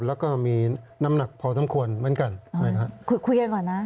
แล้วก็มีน้ำหนักพอสมควรเหมือนกันนะครับคุยคุยกันก่อนนะ